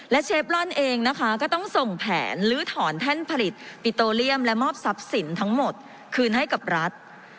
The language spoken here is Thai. และเชฟลอนเองนะคะก็ต้องส่งแผนลื้อถอนแท่นผลิตปิโตเลียมและมอบทรัพย์สินทั้งหมดคืนให้กับรัฐ